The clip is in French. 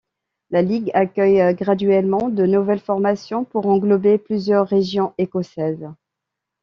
La ligue accueille graduellement de nouvelles formations pour englober plusieurs régions écossaises.